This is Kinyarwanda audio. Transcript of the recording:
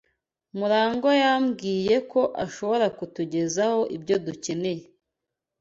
Murangwa yambwiye ko ashobora kutugezaho ibyo dukeneye.